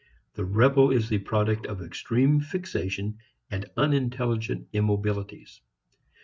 The rebel is the product of extreme fixation and unintelligent immobilities.